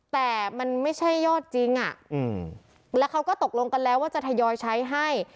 แต่มันไม่ใช่ยอดจริงแล้วเขาก็ตกลงกันแล้วว่าจะทยอยใช้ให้